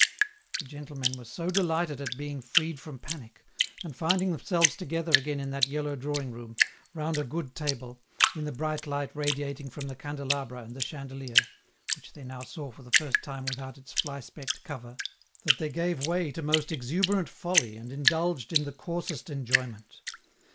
The gentlemen were so delighted at being freed from panic, and finding themselves together again in that yellow drawing room, round a good table, in the bright light radiating from the candelabra and the chandelier—which they now saw for the first time without its fly specked cover—that they gave way to most exuberant folly and indulged in the coarsest enjoyment.